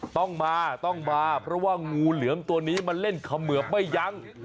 ต้องมาเพราะว่างูเหลือมตัวนี้มันเล่นเขมือไปยัง